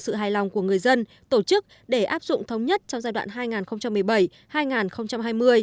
sự hài lòng của người dân tổ chức để áp dụng thống nhất trong giai đoạn hai nghìn một mươi bảy hai nghìn hai mươi